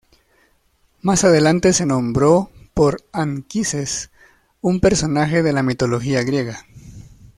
Más adelante se nombró por Anquises, un personaje de la mitología griega.